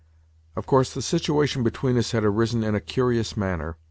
Of course the situation between us had arisen in a curious manner.